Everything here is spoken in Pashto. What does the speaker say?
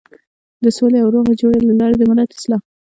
د سولې او روغې جوړې له لارې د ملت اصلاح.